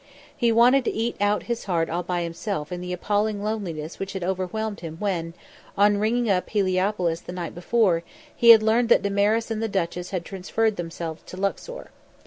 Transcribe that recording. He wanted to eat out his heart all by himself in the appalling loneliness which had overwhelmed him when, on ringing up Heliopolis the night before, he had learned that Damaris and the duchess had transferred themselves to Luxor.